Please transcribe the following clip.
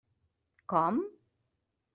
Com?